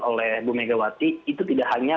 oleh bu megawati itu tidak hanya